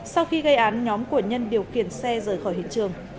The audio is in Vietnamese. sau khi gây án nhóm của nhân điều khiển xe rời khỏi hiện trường